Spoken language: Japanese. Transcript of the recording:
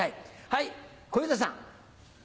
はい小遊三さん。